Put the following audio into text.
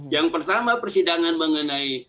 yang pertama persidangan mengenai